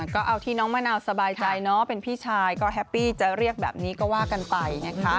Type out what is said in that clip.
ก็เอาที่น้องมะนาวสบายใจเนาะเป็นพี่ชายก็แฮปปี้จะเรียกแบบนี้ก็ว่ากันไปนะคะ